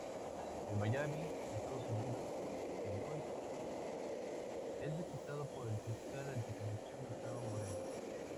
En Miami, Estados Unidos, Lyons es visitado por el fiscal anticorrupción Gustavo Moreno.